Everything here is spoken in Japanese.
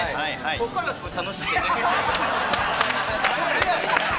そこから、すごく楽しくてね。